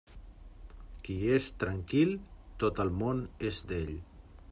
Qui és tranquil, tot el món és d'ell.